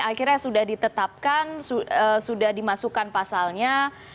akhirnya sudah ditetapkan sudah dimasukkan pasalnya